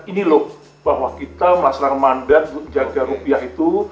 ini loh bahwa kita melaksanakan mandat menjaga rupiah itu